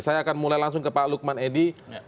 saya akan mulai langsung ke pak lukman edi